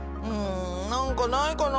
何かないかな。